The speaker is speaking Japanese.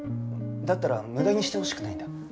だったら無駄にしてほしくないんだ